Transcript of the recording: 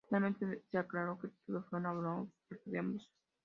Finalmente se aclaró que todo fue una broma por parte de ambos.